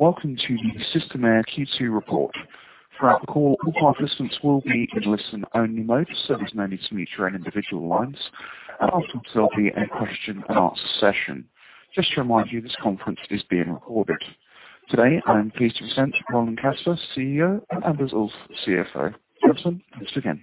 ...Welcome to the Systemair Q2 report. Throughout the call, all participants will be in listen-only mode, so there's no need to mute your own individual lines. Afterwards, there'll be a question and answer session. Just to remind you, this conference is being recorded. Today, I am pleased to present Roland Kasper, CEO, and Anders Ulff, CFO. Roland, once again.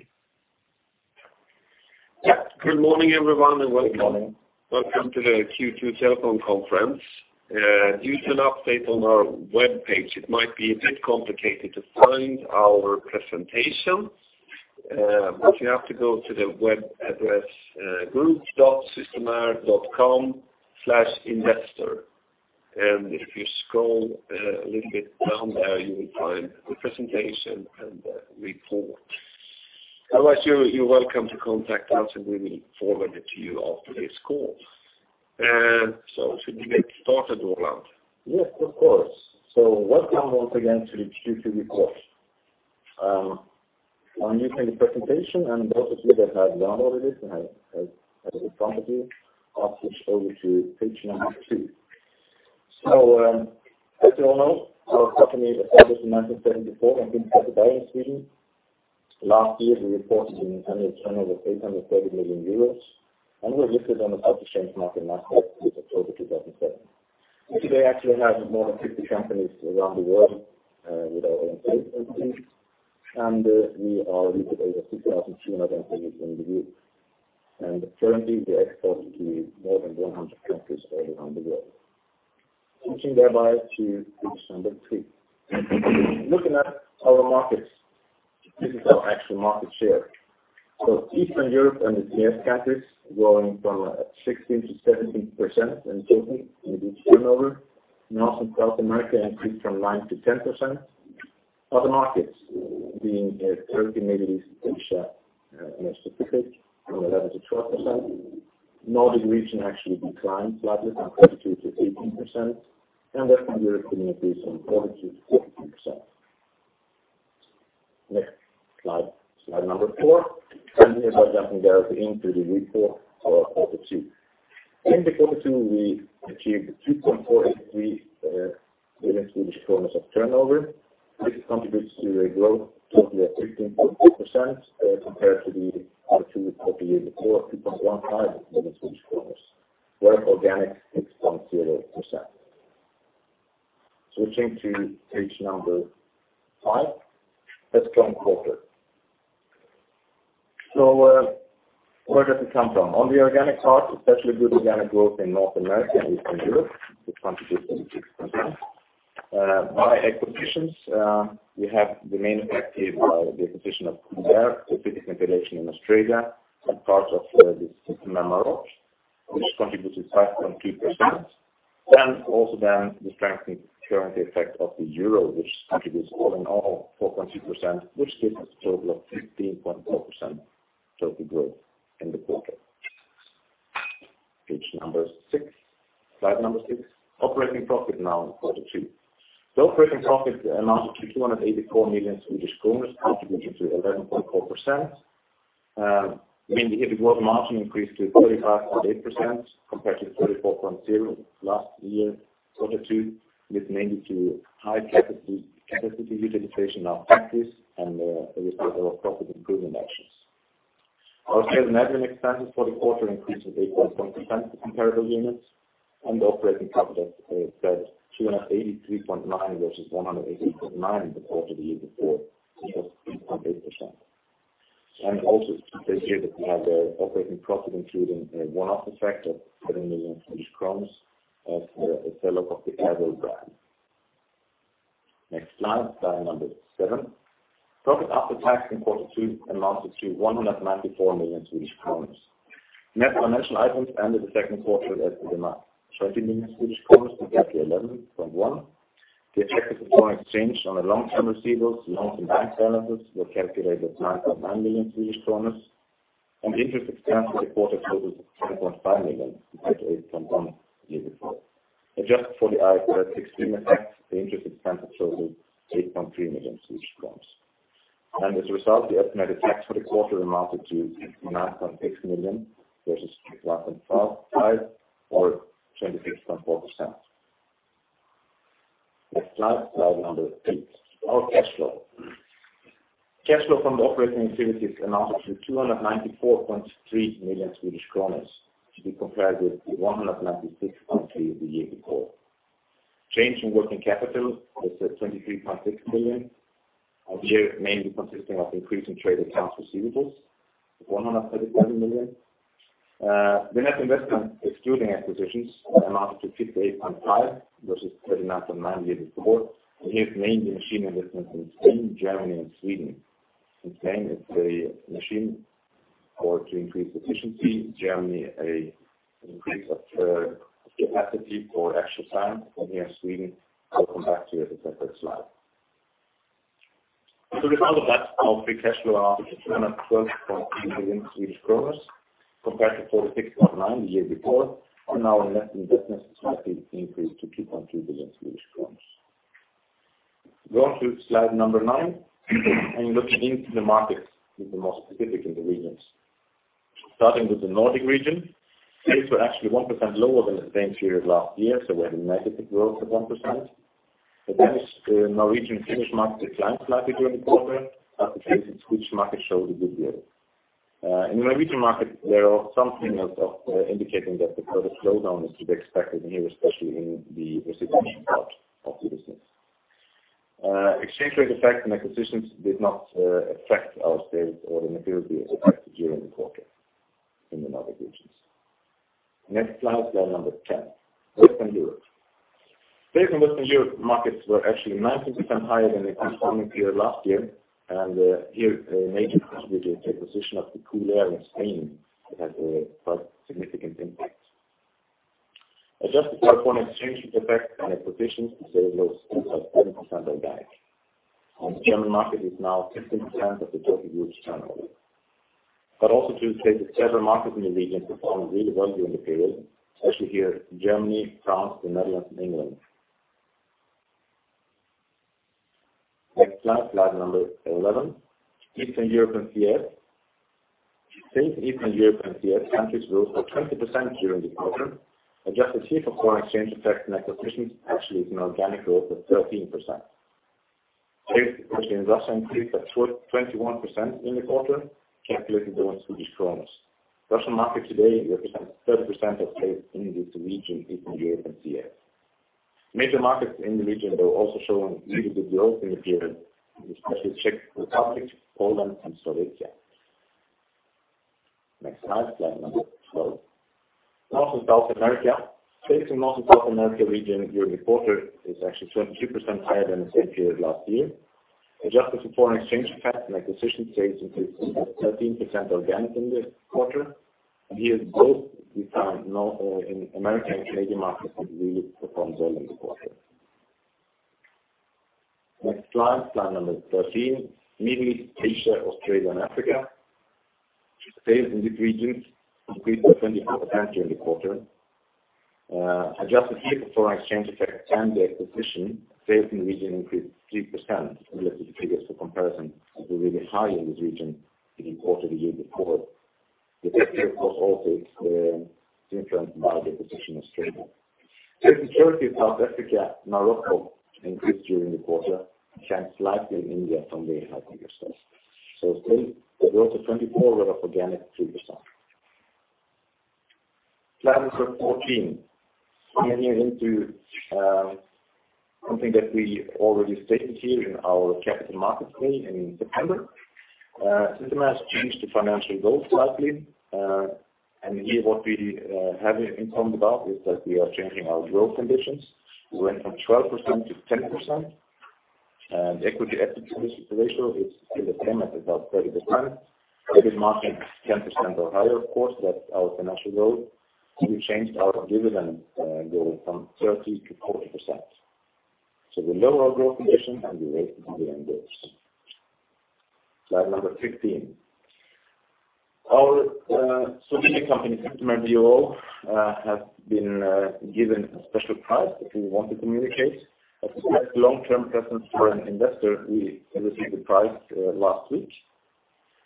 Yeah. Good morning, everyone, and welcome. Welcome to the Q2 telephone conference. Due to an update on our web page, it might be a bit complicated to find our presentation. But you have to go to the web address, group.systemair.com/investor. And if you scroll a little bit down there, you will find the presentation and the report. Otherwise, you're welcome to contact us, and we will forward it to you after this call. So should we get started, Roland? Yes, of course. Welcome once again to the Q2 report. On using the presentation, and those of you that have downloaded it and have it in front of you, I'll switch over to page 2. As you all know, our company was established in 1974 and based in Sweden. Last year, we reported an annual turnover of 830 million euros, and we were listed on the stock exchange market last year, October 2007. Today, actually, we have more than 50 companies around the world with our own sales and things. We are listed as a 2,230 in the group. Currently, we export to more than 100 countries all around the world. Switching thereby to page 3. Looking at our markets, this is our actual market share. So Eastern Europe and the CIS countries growing from 16%-17% in total in this turnover. North and South America increased from 9%-10%. Other markets being Turkey, Middle East, Asia, in specific, from 11%-12%. Nordic region actually declined slightly from 32%-18%, and the rest of Europe increased from 40%-42%. Next slide, slide 4. Here, we are jumping directly into the report for quarter two. In the quarter two, we achieved 2.483 million of turnover, which contributes to a growth totally of 15.2%, compared to the Q2 of the year before, 2.15 million, where organic is 0%. Switching to page 5: strong quarter. So, where does it come from? On the organic part, especially good organic growth in North America and Eastern Europe, which contributes 36%. By acquisitions, we have the main effect is, the acquisition in Australia and parts of, the Systemair Maroc, which contributes to 5.2%. Then also, then the strengthening currency effect of the euro, which contributes all in all 4.2%, which gives us a total of 15.4% total growth in the quarter. Page number 6, slide number 6: operating profit now in quarter two. The operating profit amounted to 284 million Swedish kronor, contribution to 11.4%. Meaning the group margin increased to 35.8% compared to 34.0% last year, quarter two, with mainly to high capacity, capacity utilization of factories and, as a result of our profit improvement actions. Our selling, general, and admin expenses for the quarter increased to 8.1% comparable units, and the operating profit stood at 283.9 versus 188.9 the quarter the year before, which was 3.8%. Also to see here that we have the operating profit, including one of the factors, SEK 7 million as a seller of the brand. Next slide, slide number 7. Profit after tax in quarter two amounted to 194 million Swedish kronor. Net financial items ended the second quarter at 20 million Swedish kronor compared to 11.1 million. The effective foreign exchange on the long-term receivables, loans, and bank balances were calculated at 9.9 million Swedish kronor, and the interest expense for the quarter totals 10.5 million, compared to 8.1 million the year before. Adjusted for the IFRS 16 effect, the interest expense showed 8.3 million Swedish crowns. As a result, the estimated tax for the quarter amounted to 90.6 million versus 12.5 million or 26.4%. Next slide, slide number 8: our cash flow. Cash flow from operating activities amounted to 294.3 million Swedish kronor, to be compared with 196.3 million the year before. Change in working capital was at 23.6 million, here mainly consisting of increase in trade accounts receivables, 137 million. The net investment, excluding acquisitions, amounted to 58.5 million, versus 39.9 million the year before, and here's mainly machine investment in Spain, Germany, and Sweden. In Spain, it's a machinery to increase efficiency. In Germany, a increase of, capacity for extra time, and here in Sweden, I'll come back to it in a separate slide. As a result of that, our free cash flow amounted to 212.3 million Swedish kronor Swedish kronors, compared to 46.9 million the year before, and our net investment slightly increased to 2.2 billion Swedish kronor Swedish kronors. Go on to slide number 9, and look into the markets in the more specific in the regions. Starting with the Nordic region, sales were actually 1% lower than the same period last year, so we had a negative growth of 1%. But then, Norwegian Finnish market climbed slightly during the quarter, after which market showed a good year. In the Norwegian market, there are some signals of, indicating that the project slowdown is to be expected in here, especially in the residential part of the business. Exchange rate effect and acquisitions did not affect our sales or materially affect during the quarter in the Nordic regions. Next slide, slide number 10. Western Europe. Sales in Western Europe markets were actually 19% higher than the corresponding period last year, and, here, a major contributor is the acquisition of the Koolair in Spain, it had a quite significant impact. Adjusted for foreign exchange effects and acquisitions, the sales growth stood at 10% organic, and the German market is now 15% of the total group's turnover. But also to say that several markets in the region performed really well during the period, especially here, Germany, France, the Netherlands, and England. Next slide, slide number 11. Eastern Europe and CIS. Sales in Eastern Europe and CIS countries grew for 20% during the quarter. Adjusted here for foreign exchange effects and acquisitions, actually, it's an organic growth of 13%. Sales in Russia increased at twenty-one percent in the quarter, calculated against Swedish kronor. Russian market today represents 30% of sales in this region, Eastern Europe and CIS. Major markets in the region are also showing good growth in the period, especially Czech Republic, Poland, and Slovakia. Next slide, slide number 12. North and South America. Sales in North and South America region during the quarter is actually 22% higher than the same period last year. Adjusted for foreign exchange effects and acquisition sales increased 13% organic in this quarter, and here, growth we found in North American and Canadian markets have really performed well in the quarter. Next slide, slide number 13. Middle East, Asia, Australia, and Africa. Sales in this region increased by 24% during the quarter. Adjusted here for foreign exchange effect and the acquisition, sales in the region increased 3% related to figures for comparison, and were really high in this region in the quarter the year before. The effect was also influenced by the position of Sweden. South Africa, Morocco increased during the quarter, and slightly in India from the higher sales. So sales, the growth of 24% were of organic 3%. Slide number 14. Coming into something that we already stated here in our Capital Markets Day in September, Systemair has changed the financial goals slightly. And here what we have informed about is that we are changing our growth conditions. We went from 12% to 10%, and equity efficiency ratio is still the same at about 30%. EBITDA margin 10% or higher, of course, that's our financial goal. We changed our dividend goal from 30% to 40%. So we lower our growth condition and we raise the dividend goals. Slide number 15. Our Slovenian company, Systemair d.o.o., has been given a special prize, which we want to communicate. As the best long-term presence foreign investor, we received the prize last week.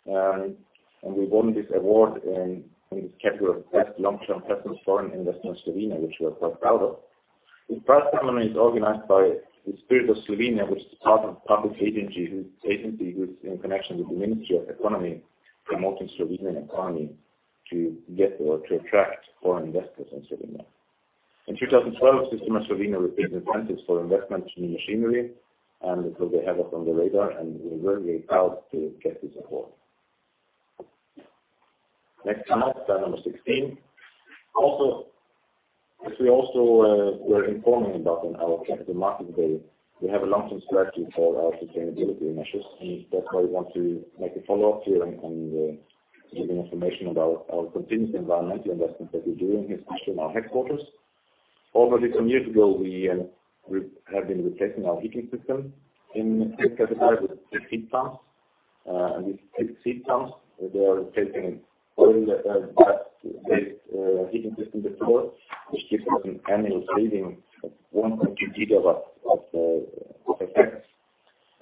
And we won this award in this category of Best Long-Term Presence Foreign Investor in Slovenia, which we're quite proud of. This prize ceremony is organized by the Spirit of Slovenia, which is part of public agency who's in connection with the Ministry of Economy, promoting Slovenian economy to get or to attract foreign investors in Slovenia. In 2012, Systemair Slovenia received incentives for investment in machinery, and so they have us on the radar, and we're really proud to get this award. Next slide, slide number 16. Also, as we also were informing about in our Capital Markets Day, we have a long-term strategy for our sustainability measures, and that's why we want to make a follow-up here on giving information about our continued environmental investments that we're doing, especially in our headquarters. A few years ago, we have been replacing our heating system in this category with heat pumps. And with heat pumps, they are taking oil-based heating system before, which gives us an annual saving of 1.2 gigawatts of effects,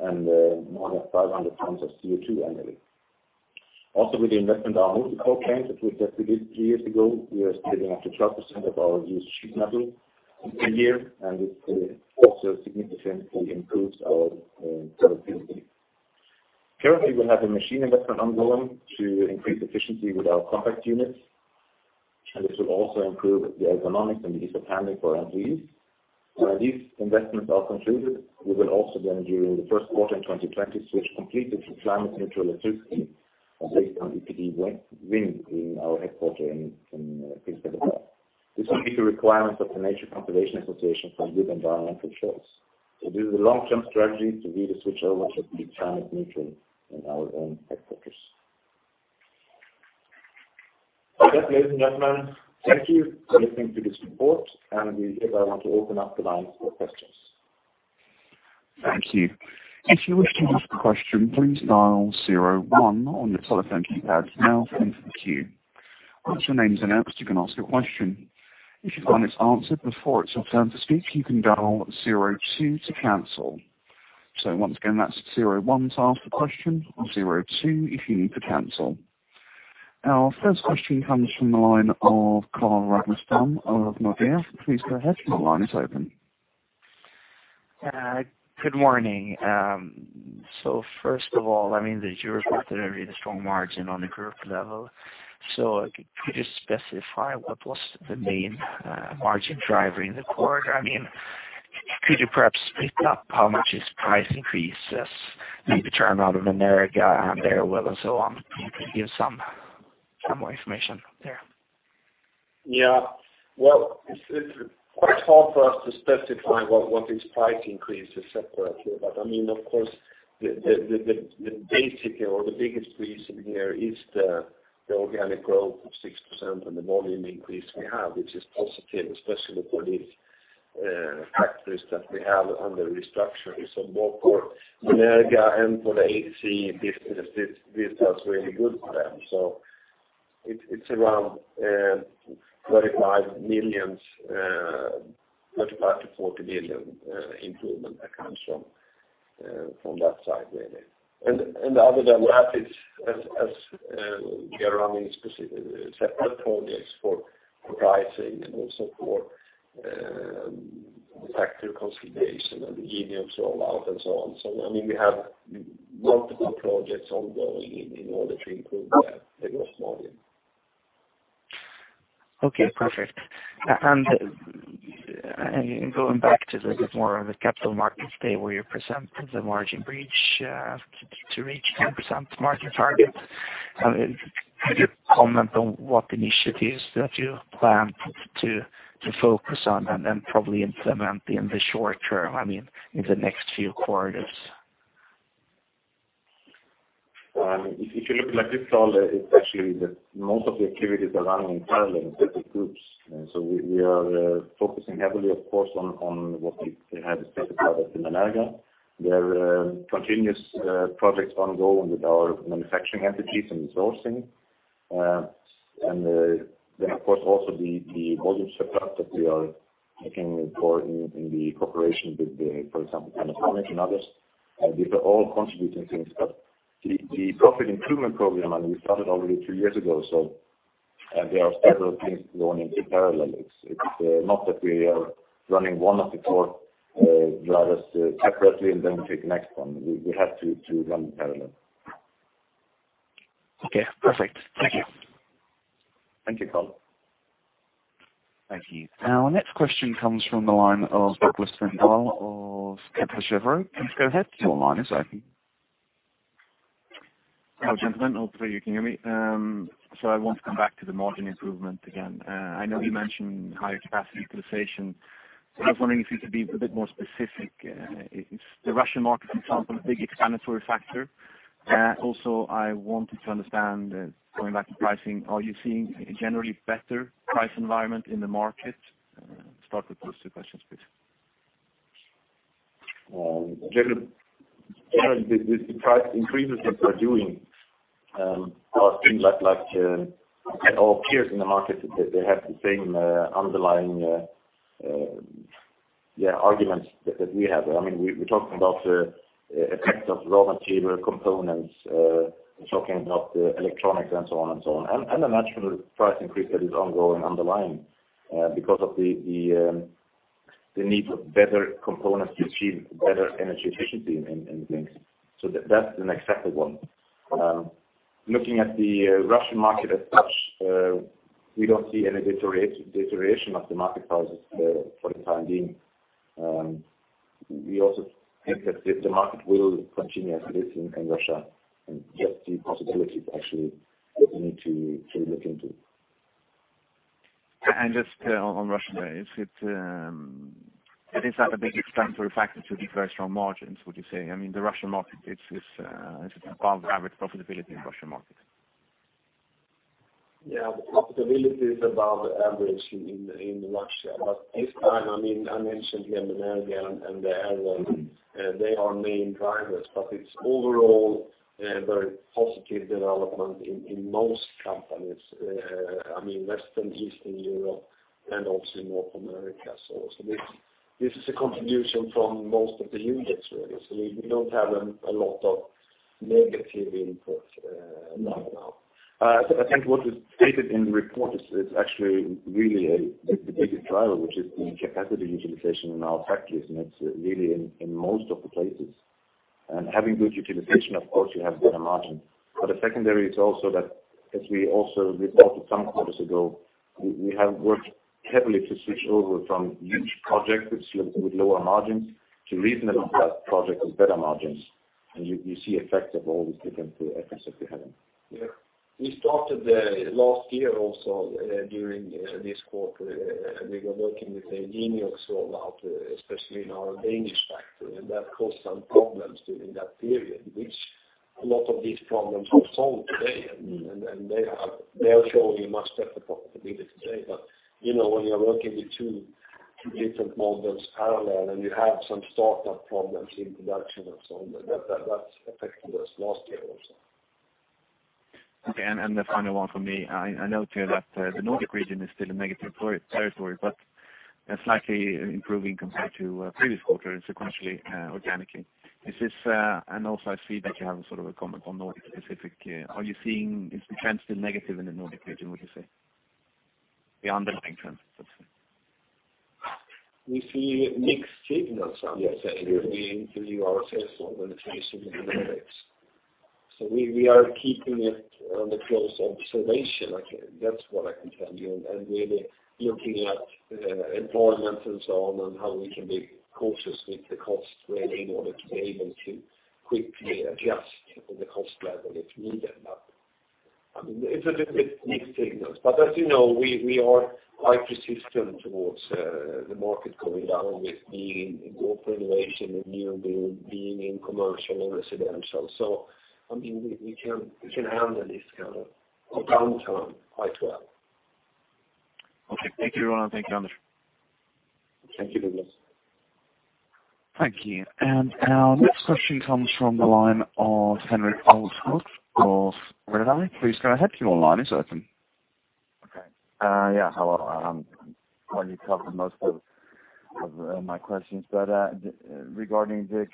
and more than 500 tons of CO2 annually. Also, with the investment, our own coil plants, which we just did two years ago, we are saving up to 12% of our used sheet metal in a year, and it also significantly improves our profitability. Currently, we have a machine investment ongoing to increase efficiency with our compact units, and this will also improve the ergonomics and the ease of handling for our employees. When these investments are concluded, we will also then, during the first quarter in 2020, switch completely to climate-neutral electricity based on EPD wind, wind in our headquarters in Skinnskatteberg. This will meet the requirements of the Nature Conservation Association for Good Environmental Choice. So this is a long-term strategy to really switch over to be climate neutral in our own headquarters. Okay, ladies and gentlemen, thank you for listening to this report, and we, I want to open up the lines for questions. Thank you. If you wish to ask a question, please dial zero one on your telephone keypad. Now into the queue.... Once your name is announced, you can ask a question. If you find it's answered before it's your turn to speak, you can dial zero two to cancel. So once again, that's zero one to ask the question, zero two if you need to cancel. Our first question comes from the line of Carl Ragnerstam of Nordea. Please go ahead, your line is open. Good morning. So first of all, I mean, that you reported a really strong margin on the group level. So could you specify what was the main margin driver in the quarter? I mean, could you perhaps pick up how much is price increases, maybe turn out of America and airflow and so on? If you could give some more information there. Yeah. Well, it's quite hard for us to specify what is price increase separately. But, I mean, of course, the basic or the biggest reason here is the organic growth of 6% and the volume increase we have, which is positive, especially for these factories that we have on the restructuring. So both for America and for the AC business, this does really good for them. So it's around 35 million-40 million improvement that comes from that side, really. And other than that, it's as we are running specific separate projects for pricing and also for the factory consolidation and the Geniox rollout and so on. So, I mean, we have multiple projects ongoing in order to improve the growth volume. Okay, perfect. And going back a bit more on the Capital Markets Day, where you present the margin bridge to reach 10% margin target, could you comment on what initiatives that you plan to focus on and probably implement in the short term? I mean, in the next few quarters? If, if you look at it like this, Carl, it's actually the most of the activities are running in parallel with the groups. And so we, we are focusing heavily, of course, on, on what we have discussed about the America. There are continuous projects ongoing with our manufacturing entities and sourcing. And, then, of course, also the, the volume surplus that we are looking for in, in the cooperation with the, for example, and others, these are all contributing things. But the, the profit improvement program, and we started already two years ago, so, there are several things going in parallel. It's, it's not that we are running one of the four, drivers, separately and then take the next one. We, we have to, to run parallel. Okay, perfect. Thank you. Thank you, Carl. Thank you. Our next question comes from the line of Douglas Lindahl of Kepler Cheuvreux. Please go ahead, your line is open. Hello, gentlemen, hopefully you can hear me. So I want to come back to the margin improvement again. I know you mentioned higher capacity utilization. So I was wondering if you could be a bit more specific. Is the Russian market, for example, a big explanatory factor? Also, I wanted to understand, going back to pricing, are you seeing a generally better price environment in the market? Start with those two questions, please. Generally, the price increases that we're doing are things like all peers in the market. They have the same underlying arguments that we have. I mean, we're talking about the effect of raw material components, talking about the electronics and so on and so on. And a natural price increase that is ongoing underlying because of the need for better components to achieve better energy efficiency in things. So that's an acceptable one. Looking at the Russian market as such, we don't see any deterioration of the market prices for the time being. We also think that the market will continue as it is in Russia, and yes, the possibility is actually what we need to look into. Just on Russia, is that a big explanatory factor to the very strong margins, would you say? I mean, the Russian market, it's above average profitability in Russian market. Yeah, the profitability is above average in Russia. But this time, I mean, I mentioned the Americas and Thailand, they are main drivers, but it's overall a very positive development in most countries, I mean, Western Europe, Eastern Europe and also in North America. So this is a contribution from most of the units, really. So we don't have a lot of negative input right now. I think what is stated in the report is actually really the biggest driver, which is the capacity utilization in our factories, and it's really in most of the places. And having good utilization, of course, you have better margin. But the secondary is also that, as we also reported some quarters ago, we have worked heavily to switch over from huge projects with lower margins to reasonable projects with better margins. And you see effects of all these different efforts that we're having. Yeah. We started last year also during this quarter, we were working with a Geniox rollout, especially in our Danish factory, and that caused some problems during that period, which a lot of these problems are solved today. And they are showing a much better profitability today. But, you know, when you are working with two different models parallel, and you have some startup problems in production and so on. But that, that's affecting us last year also. Okay, and the final one for me. I know, too, that the Nordic region is still a negative territory, but slightly improving compared to previous quarter and sequentially, organically. Is this... And also I see that you have a sort of a comment on Nordic specific. Are you seeing if the trend is still negative in the Nordic region, would you say? The underlying trend, that's it. We see mixed signals out there. Yes. We improve ourselves when it comes to the Nordics. So we are keeping it under close observation. That's what I can tell you, and really looking at employment and so on, and how we can be cautious with the cost really, in order to be able to quickly adjust on the cost level if needed. But, I mean, it's a little bit mixed signals. But as you know, we are quite persistent towards the market going down with being in gold renovation and new build, being in commercial and residential. So, I mean, we can handle this kind of a downturn quite well. Okay. Thank you, Roland, and thank you, Anders. Thank you, Nicholas. Thank you. Our next question comes from the line of Henrik Goldstein of C WorldWide. Please go ahead, your line is open. Okay. Yeah, hello. Well, you covered most of my questions, but the... Regarding the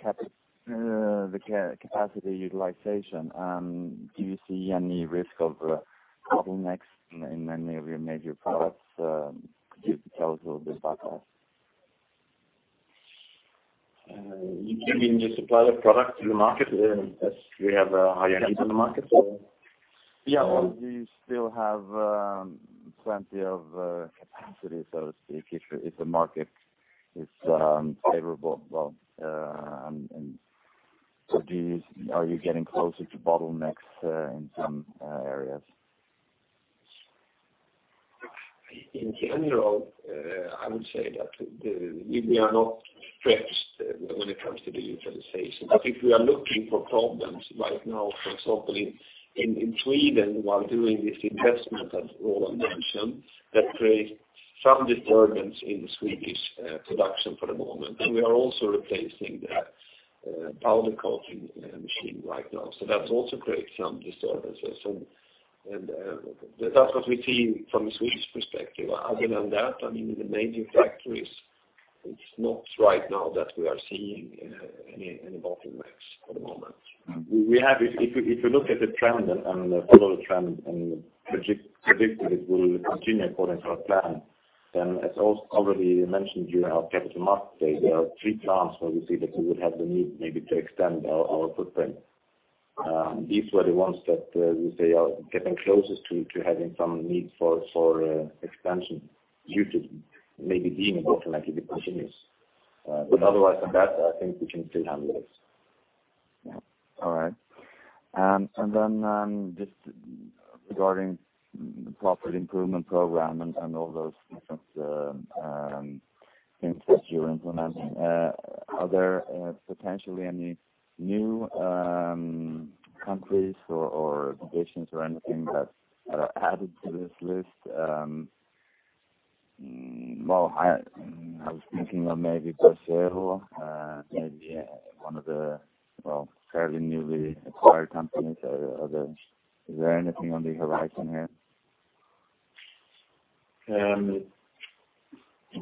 capacity utilization, do you see any risk of bottlenecks in many of your major products? Could you tell us a little bit about that? You mean the supply of product to the market, as we have a higher need in the market, or? Yeah. Or- Well, do you still have plenty of capacity, so to speak, if the market is favorable? Well, and so do you, are you getting closer to bottlenecks in some areas? In general, I would say that we are not stretched when it comes to the utilization. But if we are looking for problems right now, for example, in Sweden, while doing this investment, as Roland mentioned, that creates some disturbance in the Swedish production for the moment. And we are also replacing the powder coating machine right now. So that also creates some disturbances, and that's what we see from the Swedish perspective. Other than that, I mean, in the major factories, it's not right now that we are seeing any bottlenecks at the moment. We have. If you look at the trend and follow the trend and predict that it will continue according to our plan, then as already mentioned during our Capital Markets Day, there are three plants where we see that we would have the need maybe to extend our footprint. These were the ones that we say are getting closest to having some need for expansion due to maybe being a bottleneck if it continues. But otherwise than that, I think we can still handle this. Yeah. All right. And then, just regarding the property improvement program and all those different things that you're implementing, are there potentially any new countries or divisions or anything that are added to this list? Well, I was thinking of maybe Brazil, maybe one of the fairly newly acquired companies. Are there... Is there anything on the horizon here?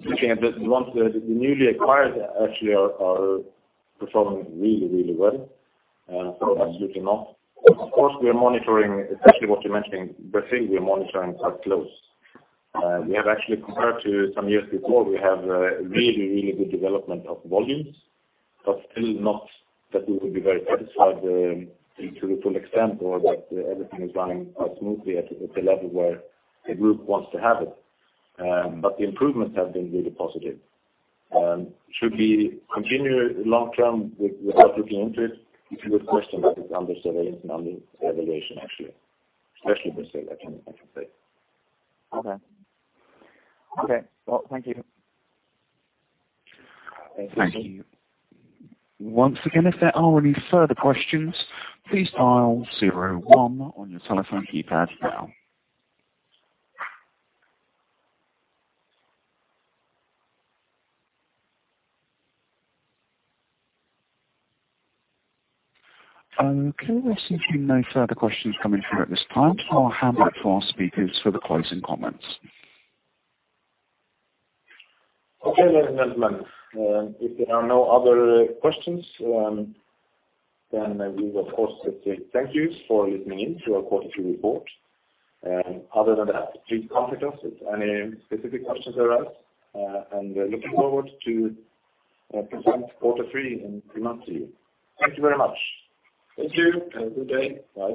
Looking at the ones, the newly acquired actually are performing really, really well. So absolutely not. Of course, we are monitoring, especially what you're mentioning, Brazil, we are monitoring quite close. We have actually, compared to some years before, we have a really, really good development of volumes, but still not that we would be very satisfied, to the full extent or that everything is running smoothly at, at the level where the group wants to have it. But the improvements have been really positive. Should we continue long term without looking into it? It's a good question, but it's under surveillance and under evaluation, actually. Especially Brazil, I can, I should say. Okay. Okay, well, thank you. Thank you. Once again, if there are any further questions, please dial zero one on your telephone keypad now. Okay, it seems we have no further questions coming through at this time. I'll hand back to our speakers for the closing comments. Okay, ladies and gentlemen, if there are no other questions, then we of course say thank you for listening in to our quarterly report. Other than that, please contact us if any specific questions arise, and looking forward to present quarter three in three months to you. Thank you very much. Thank you, and good day. Bye.